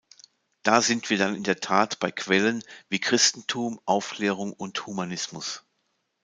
Da sind wir dann in der Tat bei Quellen wie Christentum, Aufklärung und Humanismus.